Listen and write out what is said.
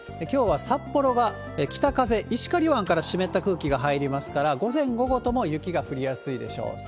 きょうは札幌が北風、石狩湾から湿った空気が入りますから、午前、午後とも雪が降りやすいでしょう。